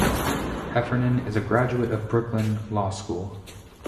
Heffernan is a graduate of Brooklyn Law School.